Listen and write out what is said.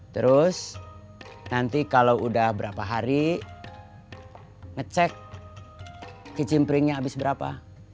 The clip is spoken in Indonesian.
terus nanti kalau udah berapa hari ngecek kicim pringnya abis berapa